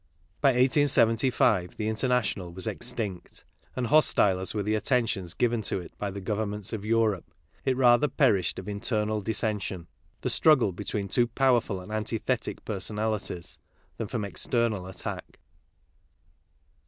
By 1875 the International was extinct; and hostile as were the attentions given to it by the Governments of Europe, it rather perished of internal dissension, the struggle between two powerful and antithetic personalities, than from external attack.